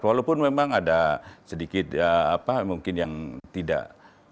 walaupun memang ada sedikit apa mungkin yang tidak